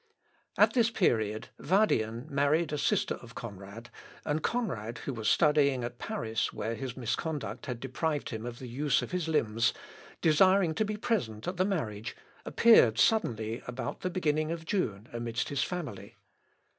At this period, Vadian married a sister of Conrad, and Conrad, who was studying at Paris where his misconduct had deprived him of the use of his limbs, desiring to be present at the marriage, appeared suddenly about the beginning of June amidst his family.